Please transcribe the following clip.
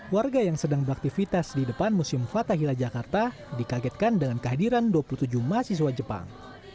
warga yang sedang beraktivitas di depan museum fathahila jakarta dikagetkan dengan kehadiran dua puluh tujuh mahasiswa jepang